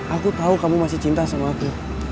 aku tahu kamu masih cinta sama aku